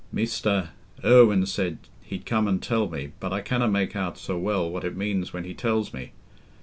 Mester Irwine said he'd come an' tell me, but I canna make out so well what it means when he tells me.